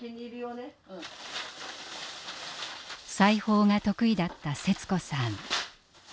裁縫が得意だったセツ子さん。